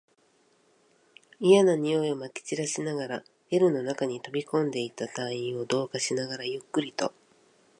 嫌な臭いを撒き散らしながら、ゲルの中に飛び込んでいった隊員を同化しながら、ゆっくりと